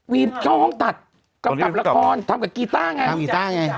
เข้าห้องตัดกำกับละครทำกับกีต้าไงทำกีต้าไง